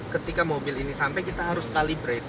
ketika mobil ini sampai kita harus kalibrate